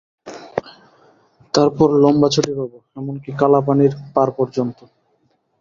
তার পরে লম্বা ছুটি পাব, এমন-কি, কালাপানির পার পর্যন্ত!